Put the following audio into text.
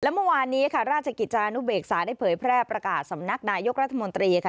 เมื่อวานนี้ค่ะราชกิจจานุเบกษาได้เผยแพร่ประกาศสำนักนายกรัฐมนตรีค่ะ